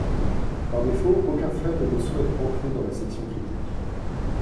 Par défaut aucun thread ne souhaite entrer dans la section critique.